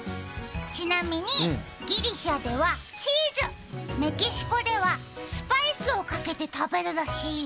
ちなみに、ギリシャではチーズ、メキシコではスパイスをかけて食べるらしいよ。